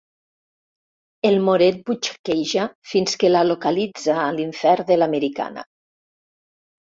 El moret butxaqueja fins que la localitza a l'infern de l'americana.